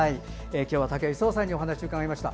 今日は武井壮さんにお話を伺いました。